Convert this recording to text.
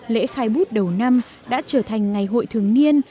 lễ khai bút đầu năm đã trở thành ngày hội thường niên